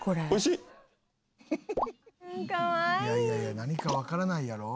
「いやいやいや何かわからないやろ。